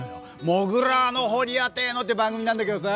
「モグラーノ・ホリアテーノ」っていう番組なんだけどさ。